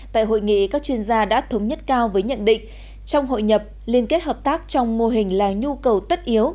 tại hội nghị các chuyên gia đã thống nhất cao với nhận định trong hội nhập liên kết hợp tác trong mô hình là nhu cầu tất yếu